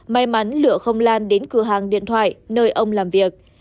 may mắn lửa không lan đến cửa hàng điện thoại nơi ông làm việc